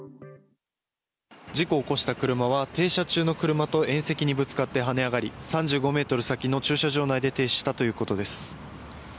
事故を起こした車は停車中の車と縁石にぶつかって跳ね上がり３５ｍ先の駐車場内で停止したということです。